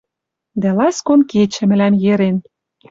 Дӓ ласкон кечӹ мӹлӓм йӹрен